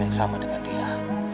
yang sama dengan dia